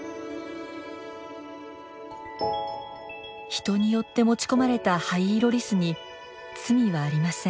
人によって持ち込まれたハイイロリスに罪はありません。